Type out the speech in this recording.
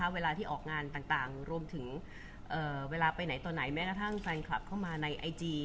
เวลาที่ออกงานต่างรวมถึงเวลาไปไหนต่อไหนแม้กระทั่งแฟนคลับเข้ามาในไอจี